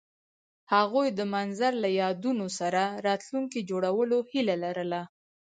هغوی د منظر له یادونو سره راتلونکی جوړولو هیله لرله.